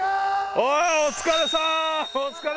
お疲れさん